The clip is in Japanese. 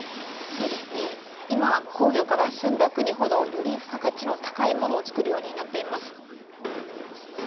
そうですね今工業化が進んだ国ほどより付加価値の高いものを作るようになっています。